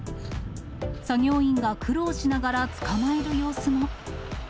作業員が苦労しながら捕まえる様子も。